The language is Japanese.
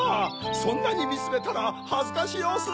そんなにみつめたらはずかしおす。